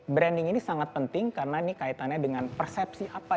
branding ini sangat penting karena ini kaitannya dengan persepsi apa